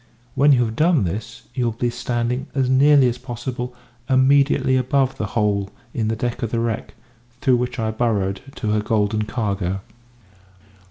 When you have done this, you will be standing, as nearly as possible, immediately above the hole in the deck of the wreck, through which I burrowed to her golden cargo."